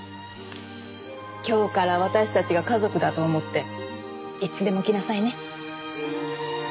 今日から私たちが家族だと思っていつでも来なさいね。